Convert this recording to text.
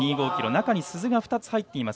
中に鈴が２つ入っています。